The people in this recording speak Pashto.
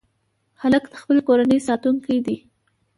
هلک د خپلې کورنۍ ساتونکی دی.